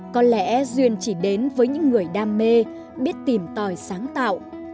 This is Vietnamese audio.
có lẽ duyên chỉ đến với những người đam mê biết tìm tòi sáng tạo